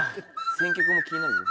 選曲も気になる。